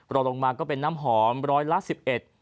รอลงมาก็เป็นน้ำหอม๑๑๑บาท